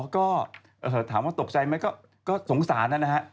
อ๋อก็ถามว่าตกใจมั้ยก็สงสารแต่นะนะฮะ